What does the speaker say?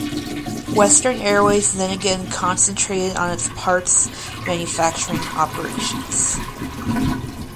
Western Airways then again concentrated on its parts manufacturing operations.